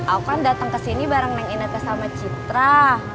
aku kan dateng kesini bareng neng inetnya sama citra